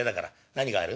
何がある？